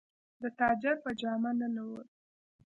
د تاجر په جامه ننووت.